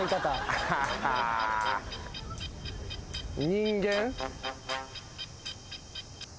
人間？